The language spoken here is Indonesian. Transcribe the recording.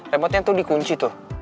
remote nya itu dikunci tuh